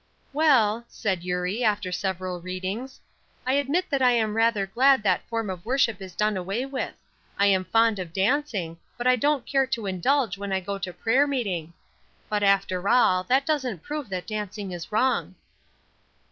"Well," said Eurie, after several readings, "I admit that I am rather glad that form of worship is done away with. I am fond of dancing, but I don't care to indulge when I go to prayer meeting. But, after all, that doesn't prove that dancing is wrong."